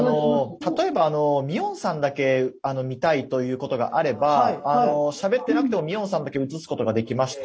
例えばミオンさんだけ見たいということがあればしゃべってなくてもミオンさんだけ映すことができまして。